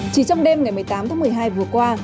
chỉ trong đêm ngày một mươi tám tháng một mươi hai vừa qua